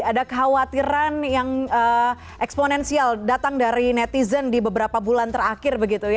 ada kekhawatiran yang eksponensial datang dari netizen di beberapa bulan terakhir